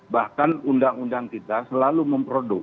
bahkan undang undang kita selalu memproduksi